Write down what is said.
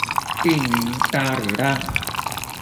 印尼咖哩辣